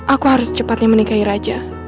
aku harus cepatnya menikahi raja